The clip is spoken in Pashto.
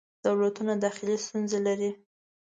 دولتونه داخلې ستونزې لري.